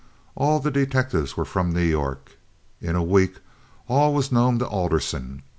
All the detectives were from New York. In a week all was known to Alderson.